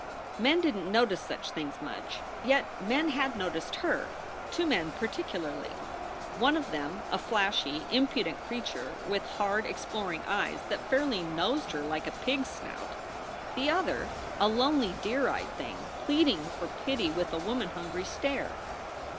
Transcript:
Men didn t notice such things much; yet men had noticed her two men particularly ; one of them a flashy, impudent creature with hard, exploring eyes that fairly nosed her like a pig s snout; the other a lonely deer eyed thing pleading for pity with a woman hungry stare.